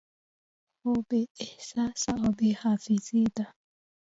خو بې احساسه او بې حافظې ده